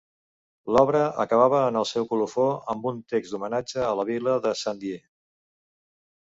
L'obra acabava en el seu colofó amb un text d'homenatge a la vila de Saint-Dié.